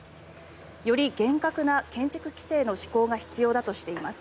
より厳格な建築規制の施行が必要だとしています。